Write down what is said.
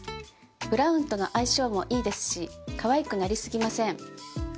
ブラウンとの相性もいいですしかわいくなりすぎません。